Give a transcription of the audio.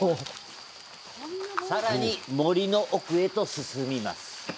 さらに森の奥へと進みます。